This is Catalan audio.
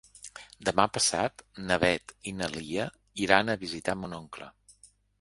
Demà passat na Beth i na Lia iran a visitar mon oncle.